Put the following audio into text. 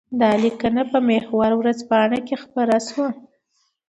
دا لیکنه په محور ورځپاڼه کې خپره شوې.